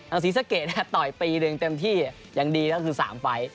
อังสีสะเกะต่อยปีหนึ่งเต็มที่อย่างดีก็คือ๓ไฟส์